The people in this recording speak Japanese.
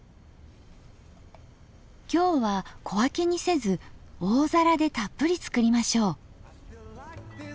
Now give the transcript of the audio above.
今日は小分けにせず大皿でたっぷり作りましょう。